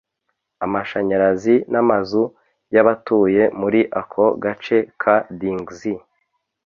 amashanyarazi n’amazu y’abatuye muri ako gace ka Dingxi